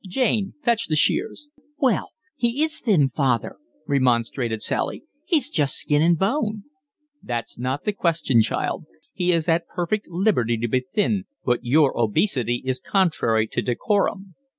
Jane, fetch the shears." "Well, he is thin, father," remonstrated Sally. "He's just skin and bone." "That's not the question, child. He is at perfect liberty to be thin, but your obesity is contrary to decorum."